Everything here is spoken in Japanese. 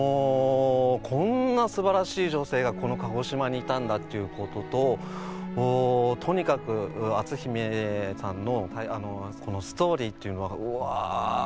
こんなすばらしい女性がこの鹿児島にいたんだっていうことととにかく篤姫さんのストーリーっていうのはうわ。